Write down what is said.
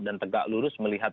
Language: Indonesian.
dan tegak lurus melihat